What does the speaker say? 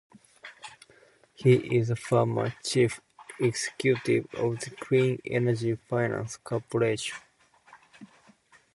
He is the former chief executive of the Clean Energy Finance Corporation.